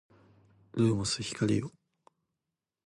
ルーモス光よ